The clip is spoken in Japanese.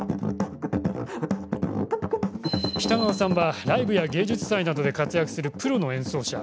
北川さんはライブや芸術祭などで活躍するプロの演奏者。